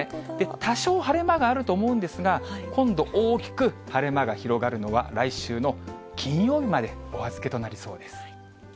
多少晴れ間があると思うんですが、今度、大きく晴れ間が広がるのは、来週の金曜日までお預けとなりそうです。